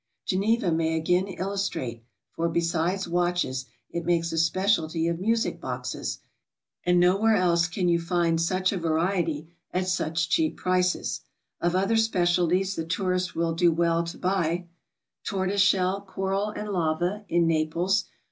Geneva may again illustrate, for be sides watches, it makes a specialty oi music boxes, and no 200 GOING ABROAD? where else can you find such a variety at sudh cheap prices. Of other specialties the tourist will do well to huy — Tortoise shell, coral and lava, in Naples.